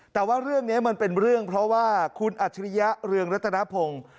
แต่ว่าเรื่องนี้มันเป็นเรื่องเพราะว่าคุณอัจฉริยะเรืองรัตนพงศ์